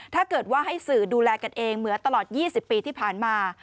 ถ้าเกิดว่าให้สื่อดูแลกันเองเหมือนตลอด๒๐ปีที่ผ่านมา